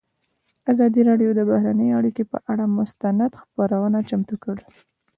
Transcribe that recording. ازادي راډیو د بهرنۍ اړیکې پر اړه مستند خپرونه چمتو کړې.